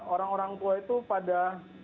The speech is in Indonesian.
orang orang tua itu pada